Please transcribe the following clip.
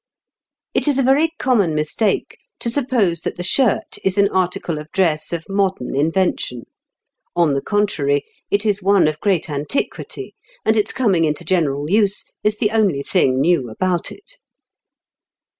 "It is a very common mistake to suppose that the shirt is an article of dress of modern invention; on the contrary, it is one of great antiquity, and its coming into general use is the only thing new about it.